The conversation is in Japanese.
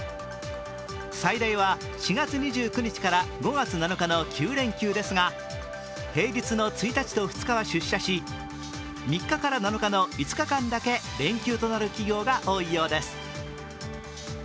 最大は４月２９日から５月７日の９連休ですが平日の１日と２日は出社し、３日から７日の５日間だけ連休となる企業が多いようです。